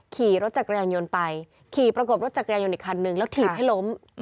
ขี่รถจักรยานยนต์ไปขี่ประกบรถจักรยานยนต์อีกคันนึงแล้วถีบให้ล้ม